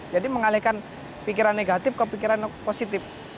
jadi mengalihkan pikiran negatif ke pikiran positif